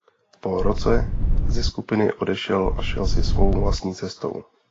Po roce ze skupiny odešel a šel si svou vlastní cestou.